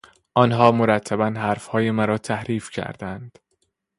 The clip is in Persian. آنها مرتبا حرفهای مرا تحریف کردند.